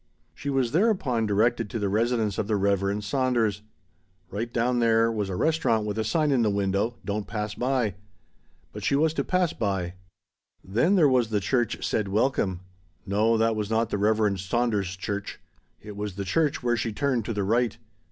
She was thereupon directed to the residence of the Reverend Saunders. Right down there was a restaurant with a sign in the window "Don't Pass By." But she was to pass by. Then there was the church said "Welcome." No, that was not the Reverend Saunders' church. It was the church where she turned to the right.